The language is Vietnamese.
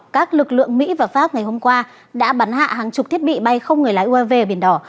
các lực lượng mỹ và pháp ngày hôm qua đã bắn hạ hàng chục thiết bị bay không người lái uav ở biển đỏ